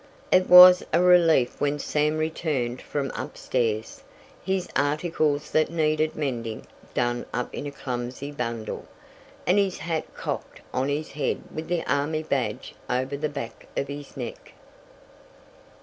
It was a relief when Sam returned from up stairs, his articles that needed mending done up in a clumsy bundle, and his hat cocked on his head with the army badge over the back of his neck.